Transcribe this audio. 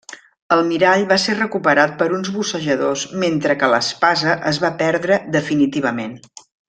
El mirall va ser recuperat per uns bussejadors mentre que l'espasa es va perdre definitivament.